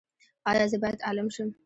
ایا زه باید عالم شم؟